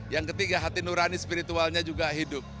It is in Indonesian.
yang ketiga hati nurani spiritualnya juga hidup